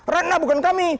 rana bukan kami